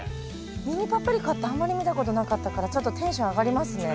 ミニパプリカってあんまり見たことなかったからちょっとテンション上がりますね。